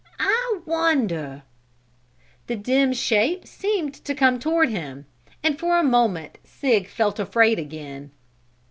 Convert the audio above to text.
I wonder " The dim shape seemed to come toward him, and for a moment Sig felt afraid again.